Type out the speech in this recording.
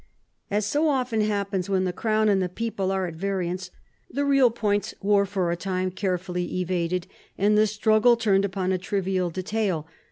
As so often happens when the crown and the people are at variance, the real points were for a time carefully evaded, and the struggle turned upon a trivial detail.